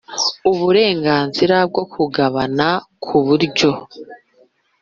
Uburenganzira bwo kugabana ku buryo